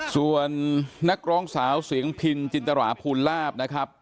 ส่วนนักร้องสาวเสียงพินจินตราภูลาภนะครับ